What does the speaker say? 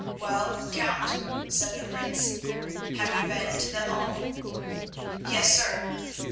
"Well, Count," said the Prince, "have you been to them all?" "Yes, sir."